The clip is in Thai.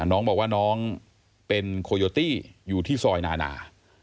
น้องบอกว่าน้องเป็นโคโยตี้อยู่ที่ซอยนานา